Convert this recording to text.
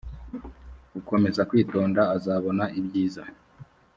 ukomeza kwitonda azabona ibyiza